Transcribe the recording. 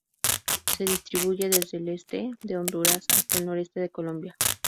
Se distribuye desde el este de Honduras hasta el noroeste de Colombia.